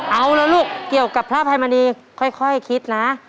เอาละลูกเกี่ยวกับพระอภัยมณีค่อยคิดนะ